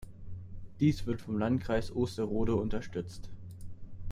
Dies wird vom Landkreis Osterode unterstützt.